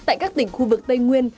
tại các tỉnh khu vực tây nguyên